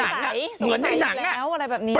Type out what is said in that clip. เหมือนในหนังอะไปพิมพ์ไซค์อยู่แล้วอะไรแบบนี้